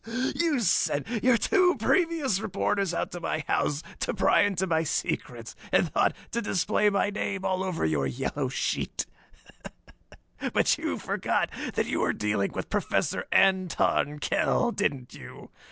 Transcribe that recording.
Hee hee! You sent your two precious reporters out to my house to pry into my secrets, and thought to display my name all over your yellow sheet; but you forgot that you were dealing with Professor Anton Kell, didn't you?"